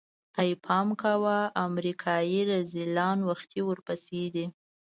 ای پام کوه امريکايي رذيلان وختي ورپسې دي.